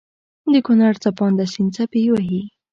دکونړ څپانده سيند څپې وهي